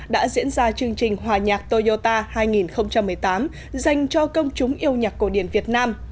đã diễn ra chương trình hòa nhạc toyota hai nghìn một mươi tám dành cho công chúng yêu nhạc cổ điển việt nam